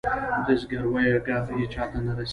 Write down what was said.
د زګیرویو ږغ یې چاته نه رسیږې